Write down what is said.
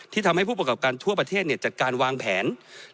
ทำให้ผู้ประกอบการทั่วประเทศจัดการวางแผน